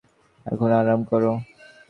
এখন আরাম করো।